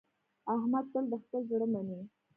احمد تل د خپل زړه مني.